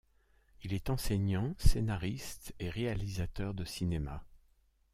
Il est enseignant, scénariste et réalisateur de cinéma.